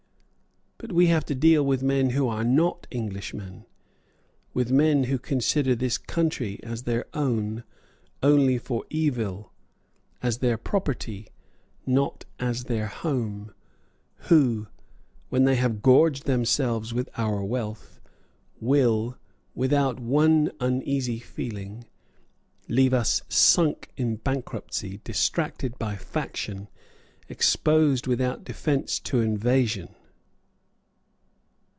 But we have to deal with men who are not Englishmen, with men who consider this country as their own only for evil, as their property, not as their home; who, when they have gorged themselves with our wealth, will, without one uneasy feeling, leave us sunk in bankruptcy, distracted by faction, exposed without defence to invasion.